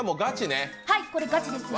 これガチですよ。